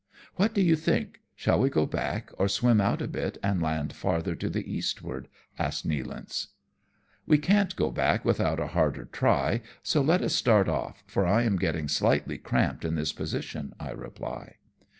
" What do you think ? Shall we go back or swim out a bit, and land farther to the eastward?" asks Nealance. " We can't go back without a harder try^ so let us start off, for I am getting slightly cramped in this position," I reply.